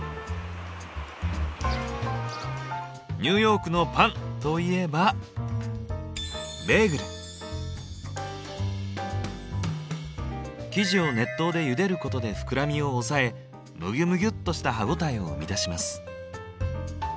「ニューヨークのパン！」といえば生地を熱湯でゆでることで膨らみを抑えムギュムギュっとした歯応えを生み出します。